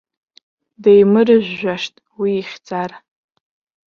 Деимырыжәжәашт уи ихьӡар.